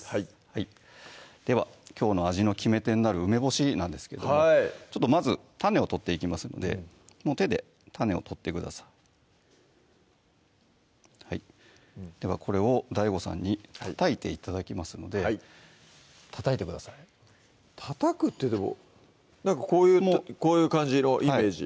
はいではきょうの味の決め手になる梅干しなんですけどもまず種を取っていきますので手で種を取ってくださいではこれをＤＡＩＧＯさんにたたいて頂きますのでたたいてくださいたたくってでもこういうこういう感じのイメージ